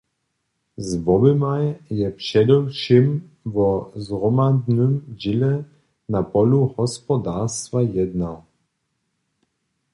Z woběmaj je předewšěm wo zhromadnym dźěle na polu hospodarstwa jednał.